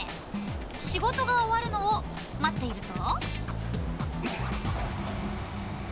仕事が終わるのを待っていると。